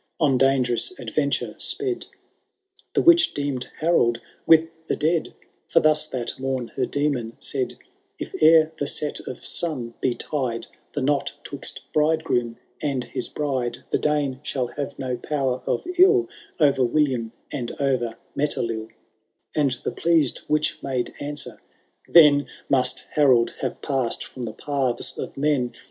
On dangerouB adventure sped. The witch deemed Harold with the dead, For thus that mom her Demon said :—I^ ere the set of sun, be tied * The knot twixt bridegroom and his bride, The Dane shall have no power of ill 0*er William and o'er MetelilL" And the pleased witch made answer, ^ Then Must Harold have passed from the paths of men